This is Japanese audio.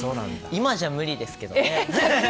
今じゃ無理ですけどね。